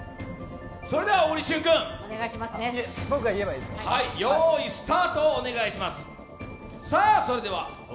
小栗旬君、用意スタートをお願いします。